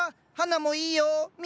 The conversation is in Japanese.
実もいいよ。